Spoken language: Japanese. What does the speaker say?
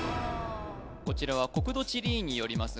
こちらは国土地理院によります